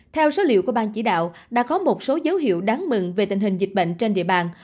theo số liệu của ban chỉ đạo đã có một số dấu hiệu đáng mừng về tình hình dịch bệnh trên địa bàn